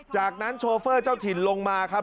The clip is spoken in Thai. จากนั้นโชเฟอร์เจ้าถิ่นลงมาครับ